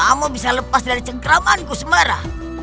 aku tidak bisa lepas dari cengkramanku sembara